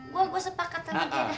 gua sepakat sama dia